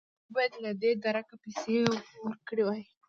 دوی باید له دې درکه پیسې ورکړې وای.